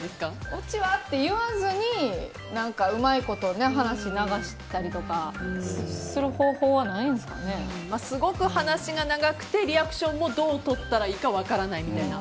オチは？って言わずにうまいこと話を流したりとかする方法はすごく話が長くてリアクションもどうとったらいいか分からないみたいな。